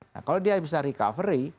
nah kalau dia bisa recovery